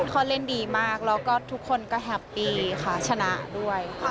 เขาเล่นดีมากแล้วก็ทุกคนก็แฮปปี้ค่ะชนะด้วยค่ะ